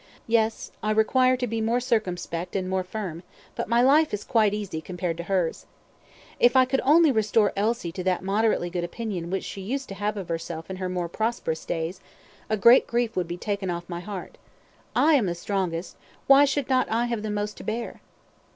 "Yes; I require to be more circumspect and more firm; but my life is quite easy, compared to hers. If I could only restore Elsie to that moderately good opinion which she used to have of herself in her more prosperous days, a great grief would be taken off my heart. I am the strongest, why should not I have the most to bear?"